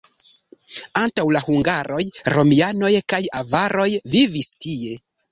Antaŭ la hungaroj romianoj kaj avaroj vivis tie.